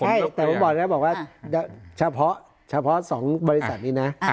ใช่แต่ผมบอกนะบอกว่าเฉพาะ๒บริษัทนี้นะ